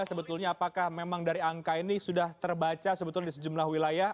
sebetulnya apakah memang dari angka ini sudah terbaca sebetulnya di sejumlah wilayah